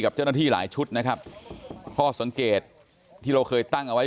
เจ้าหน้าที่หลายชุดนะครับข้อสังเกตที่เราเคยตั้งเอาไว้